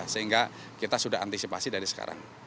sehingga kita sudah antisipasi dari sekarang